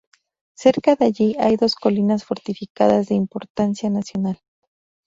Cerca de allí hay dos colinas fortificadas de importancia nacional.